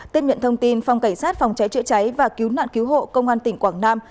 tiếp nhận thông tin phòng cảnh sát phòng cháy chữa cháy và cứu nạn cứu hộ công an tỉnh quảng nam